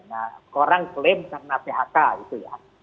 nah orang klaim karena phk gitu ya